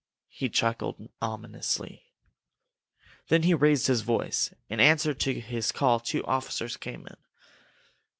He chuckled ominously. Then he raised his voice. In answer to his call two officers came in.